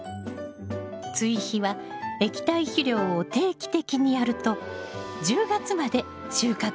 追肥は液体肥料を定期的にやると１０月まで収穫できるわよ。